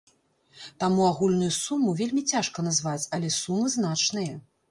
Таму агульную суму вельмі цяжка назваць, але сумы значныя.